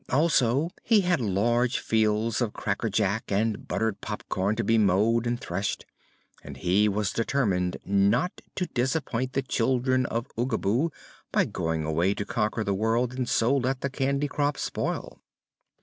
Also he had large fields of crackerjack and buttered pop corn to be mowed and threshed, and he was determined not to disappoint the children of Oogaboo by going away to conquer the world and so let the candy crop spoil.